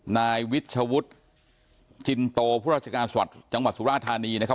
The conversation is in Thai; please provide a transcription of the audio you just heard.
นายวิชวุฒิจินโตผู้ราชการจังหวัดสุราธานีนะครับ